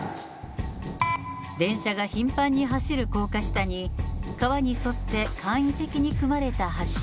電車が頻繁に走る高架下に、川に沿って簡易的に組まれた橋。